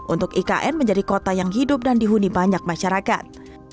untuk ikn menjadi kota yang hidup dan dihuni banyak masyarakat